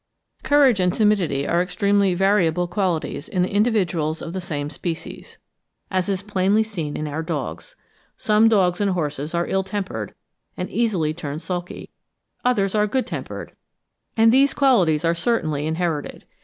Courage and timidity are extremely variable qualities in the individuals of the same species, as is plainly seen in our dogs. Some dogs and horses are ill tempered, and easily turn sulky; others are good tempered; and these qualities are certainly inherited.